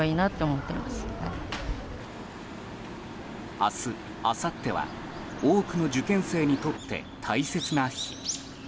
明日あさっては多くの受験生にとって大切な日。